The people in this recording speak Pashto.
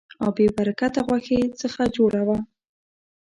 او بې برکته غوښې څخه جوړه وه.